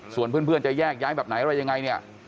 ส่วนเพื่อนจะแยกย้ายแบบไหนอะไรยังไงเนี่ย